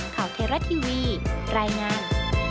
ข่าวเทราทีวีรายงาน